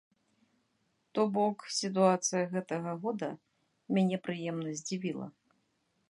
То бок, сітуацыя гэтага года мяне прыемна здзівіла.